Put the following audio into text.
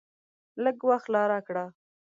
لږ وخت لا راکړه !